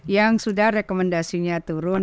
yang sudah rekomendasinya turun